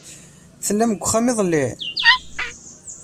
Tellam deg uxxam iḍelli?